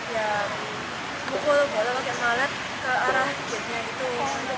ya kukul bola pakai alat ke arah titiknya itu